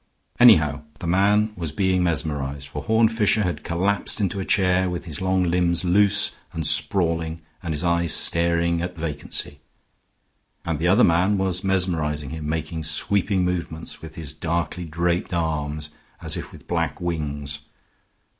Anyhow, the man was being mesmerized, for Horne Fisher had collapsed into a chair with his long limbs loose and sprawling and his eyes staring at vacancy; and the other man was mesmerizing him, making sweeping movements with his darkly draped arms as if with black wings.